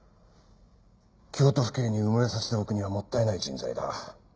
京都府警に埋もれさせておくにはもったいない人材だ。